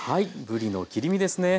ぶりの切り身ですね。